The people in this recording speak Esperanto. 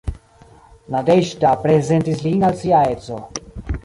Nadeĵda prezentis lin al sia edzo.